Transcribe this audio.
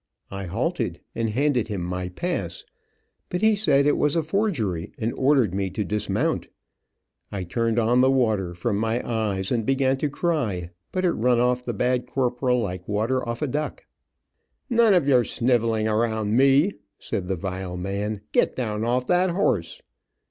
I halted, and handed him my pass, but he said it was a forgery, and ordered me to dismount. I turned on the water, from my eyes, and began to cry, but it run off the bad corporal like water off a duck. "None of your sniveling around me," said the vile man. "Get down off that horse."